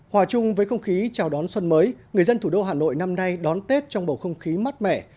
hòa chung với không khí chào đón xuân mới người dân thủ đô hà nội năm nay đón tết trong bầu không khí mát mẻ